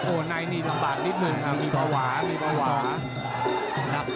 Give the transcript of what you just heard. โอ้ในนี่ลำบากนิดนึงอ่ะมีประหวามีประหวา